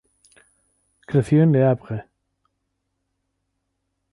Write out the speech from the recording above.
Creció en Le Havre.